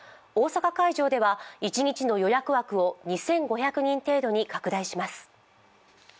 大阪会場では一日の予約枠を２５００人程度に拡大します。